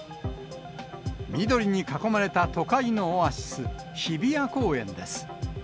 緑に囲まれた都会のオアシス、日比谷公園です。